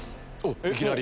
いきなり。